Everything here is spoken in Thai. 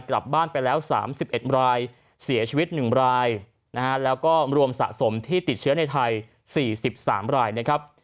กลับบ้านไปแล้ว๓๑รายเสียชีวิต๑รายนะฮะแล้วก็รวมสะสมที่ติดเชื้อในไทย๔๓รายนะครับ